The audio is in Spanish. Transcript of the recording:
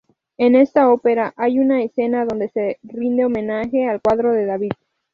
En esta ópera, hay una escena donde se rinde homenaje al cuadro de David.